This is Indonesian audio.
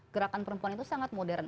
gerakan perempuan itu sangat modern